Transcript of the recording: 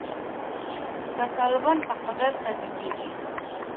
که طالبان په قدرت پاتې کیږي